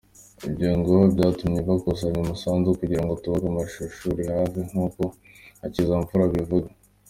Ibyo ngo byatumye bakusanya umusanzu kugira ngo bubake amashuri hafi; nkuko Hakizimfura abivuga.